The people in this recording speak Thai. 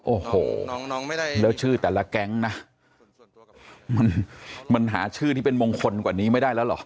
โอ้โหแล้วชื่อแต่ละแก๊งนะมันหาชื่อที่เป็นมงคลกว่านี้ไม่ได้แล้วเหรอ